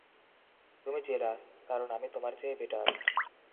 তুমি জেলাস, কারণ আমি তোমার চেয়ে বেটার।